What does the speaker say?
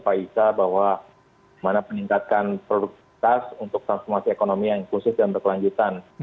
pak isa bahwa mana meningkatkan produktivitas untuk transformasi ekonomi yang inklusif dan berkelanjutan